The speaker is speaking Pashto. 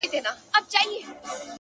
هغې په نيمه شپه ډېـــــوې بلــــي كړې ـ